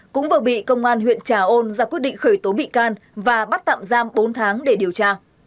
cũng vừa bị công an huyện trà ôn ra quyết định khởi tố bị can và bắt tạm giam bốn tháng để điều tra